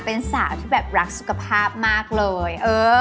เป็นสาวที่แบบรักสุขภาพมากเลย